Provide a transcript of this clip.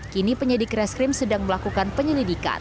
kini penyidik reskrim sedang melakukan penyelidikan